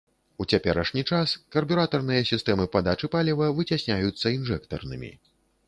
У цяперашні час карбюратарныя сістэмы падачы паліва выцясняюцца інжэктарнымі.